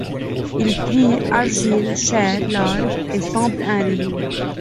Il prie, argile, chair, larve ; et semble un rayon